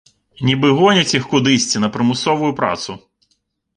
Нібы гоняць іх кудысьці на прымусовую працу.